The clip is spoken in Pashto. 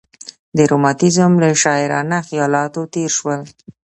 د رومانتیزم له شاعرانه خیالاتو تېر شول.